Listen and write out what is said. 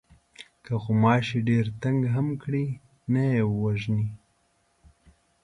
که غوماشی ډېر تنگ هم کړي نه یې وژنې.